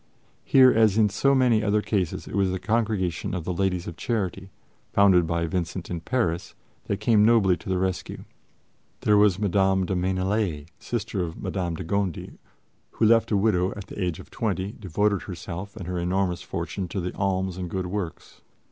Here, as in so many other cases, it was the Congregation of the Ladies of Charity, founded by Vincent in Paris, that came nobly to his rescue. There was Madame de Maignelais, sister of M. de Gondi, who, left a widow at the age of twenty, devoted herself and her enormous fortune to alms and good works.